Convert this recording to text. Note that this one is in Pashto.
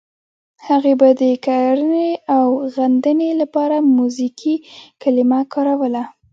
هغې به د کږنې او غندنې لپاره موزیګي کلمه کاروله.